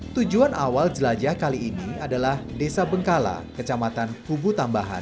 tujuan awal jelajah kali ini adalah desa bengkala kecamatan kubu tambahan